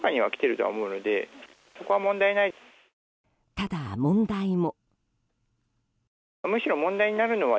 ただ、問題も。